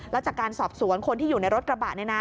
แล้วจากการสอบสวนคนที่อยู่ในรถกระบะ